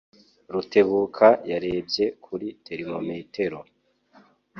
Rutebuka yarebye kuri termometero.